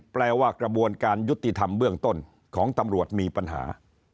แปลว่ากระบวนการยุติธรรมเบื้องต้นของตำรวจมีปัญหา